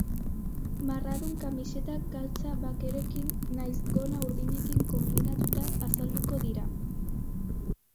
Marradun kamisetak galtza bakeroekin nahiz gona urdinekin konbinatuta azalduko dira.